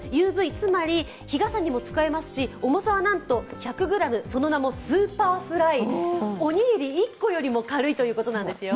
ＵＶ、つまり日傘にも使えますし重さはなんと１００ｇ、その名もスーパーフライ、おにぎり１個よりも軽いそうですよ。